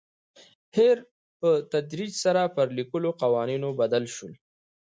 هیر په تدریج سره پر لیکلو قوانینو بدل شول.